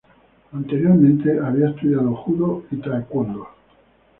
Anteriormente había estudiado Judo y Taekwondo.